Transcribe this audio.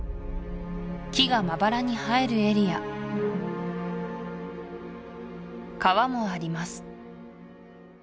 木がまばらに生えるエリア川もあります